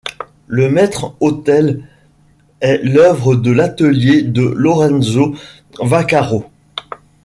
Le maître-autel est l'œuvre de l'atelier de Lorenzo Vaccaro.